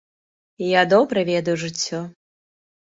Я добра ведаю жыццё!